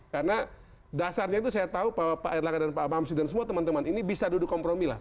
karena dasarnya itu saya tahu pak erlaga dan pak amsyu dan semua teman teman ini bisa duduk kompromi lah